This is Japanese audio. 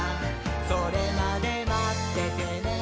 「それまでまっててねー！」